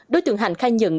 đối tượng hạnh khai nhận